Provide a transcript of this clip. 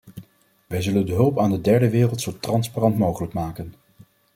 Wij zullen de hulp aan de derde wereld zo transparant mogelijk maken.